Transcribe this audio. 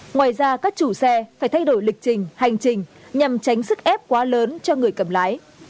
ngoài ra các chủ xe phải thay đổi lịch trình hành trình nhằm tránh sức ép quá lớn cho người cầm lái